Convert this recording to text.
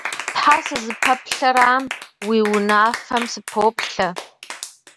Тхьэ, сызыпэплъэрам, уи унафэм сыпоплъэ.